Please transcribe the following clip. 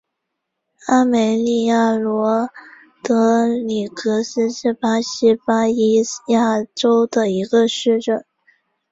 阿梅利娅罗德里格斯是巴西巴伊亚州的一个市镇。